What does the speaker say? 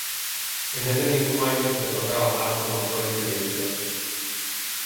En ese mismo año empezó a trabajar como actor en televisión.